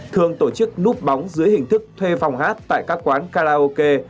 thường tổ chức núp bóng dưới hình thức thuê phòng hát tại các quán karaoke